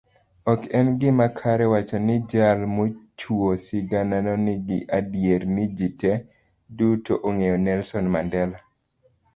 Ok en gima kare wacho nijal mochuo sigananonigi adierni ji dutoong'eyo Nelson Mandela.